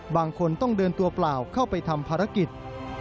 บางคนต้องเดินตัวเปล่าเข้าไปทำภารกิจ